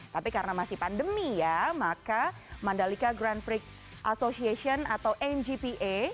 tapi karena masih pandemi ya maka mandalika grand prix association atau mgpa